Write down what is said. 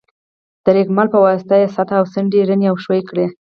د رېګمال په واسطه یې سطحه او څنډې رڼې او ښوي کړئ.